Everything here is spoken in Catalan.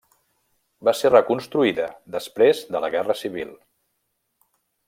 Va ser reconstruïda després de la Guerra Civil.